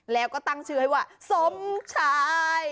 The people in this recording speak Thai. แล้วก็ตั้งชื่อให้ว่าสมชาย